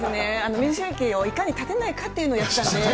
水しぶきをいかに立てないかっていうのをやってたんで。